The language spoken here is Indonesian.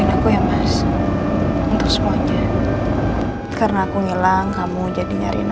aku masih harus sembunyikan masalah lo andin dari mama